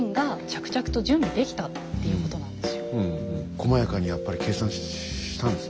こまやかにやっぱり計算したんですね。